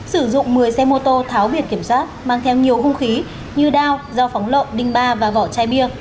sử dụng một mươi xe mô tô tháo biệt kiểm soát mang theo nhiều không khí như đao dao phóng lộ đinh ba và vỏ chai bia